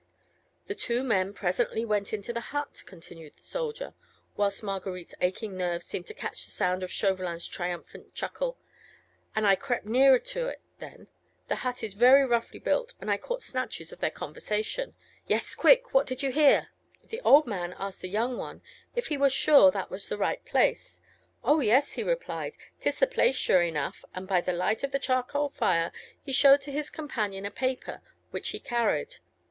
"The two men presently went into the hut," continued the soldier, whilst Marguerite's aching nerves seemed to catch the sound of Chauvelin's triumphant chuckle, "and I crept nearer to it then. The hut is very roughly built, and I caught snatches of their conversation." "Yes?—Quick!—What did you hear?" "The old man asked the young one if he were sure that was the right place. 'Oh, yes,' he replied, ''tis the place sure enough,' and by the light of the charcoal fire he showed to his companion a paper, which he carried.